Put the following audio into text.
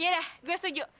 yaudah gue setuju